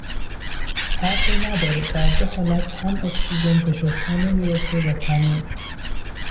فرقی نداره در دو حالت هم اکسیژن به ششها نمیرسه و تموم